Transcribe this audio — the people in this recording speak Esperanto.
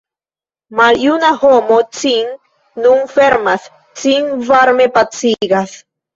Maljuna homo cin nun fermas, cin varme pacigas.